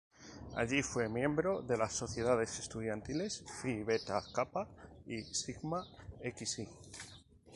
Allí fue miembro de las sociedades estudiantiles Phi Beta Kappa y Sigma Xi.